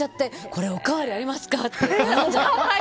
これ、おかわりありますかって頼んじゃった。